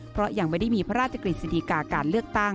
เพราะยังไม่ได้มีพระราชกฤษฎีกาการเลือกตั้ง